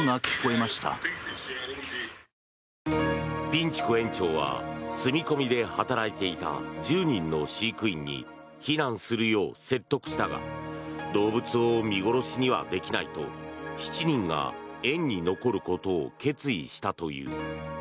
ピンチュク園長は住み込みで働いていた１０人の飼育員に避難するよう説得したが動物を見殺しにはできないと７人が園に残ることを決意したという。